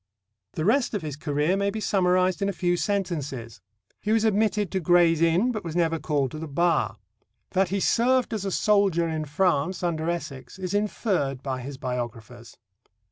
The rest of his career may be summarized in a few sentences. He was admitted to Gray's Inn, but was never called to the Bar. That he served as a soldier in France under Essex is inferred by his biographers.